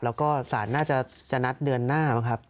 แล้วก็ศาลน่าจะนัดเดือนหน้ามั้งครับ